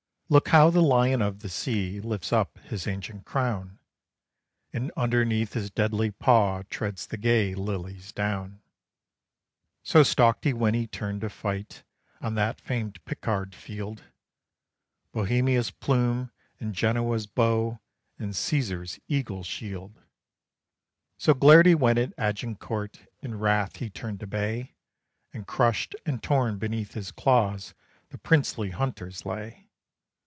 Look how the lion of the sea lifts up his ancient crown, And underneath his deadly paw treads the gay lilies down. So stalked he when he turned to flight on that famed Picard field, Bohemia's plume, and Genoa's bow, and Caesar's eagle shield: So glared he when at Agincourt in wrath he turned to bay, And crushed and torn beneath his claws the princely hunters lay.